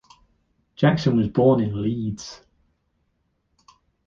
Jackson was born in Leeds.